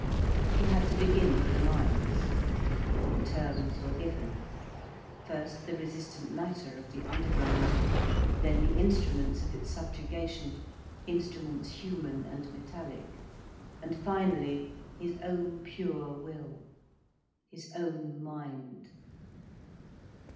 He had to begin with the mines. The terms were given: first the resistant Matter of the underground; then the instruments of its subjugation, instruments human and metallic; and finally his own pure will, his own mind.